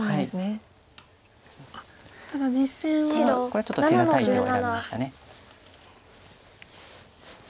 これはちょっと手堅い手を選びました。